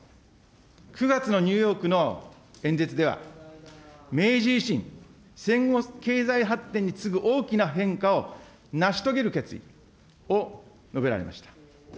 ９月のニューヨークの演説では、明治維新、戦後経済発展に次ぐ大きな変化を成し遂げる決意を述べられました。